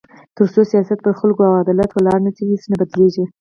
تر څو سیاست پر خلکو او عدالت ولاړ نه شي، هیڅ نه بدلېږي.